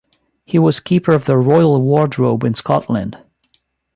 He was keeper of the royal wardrobe in Scotland.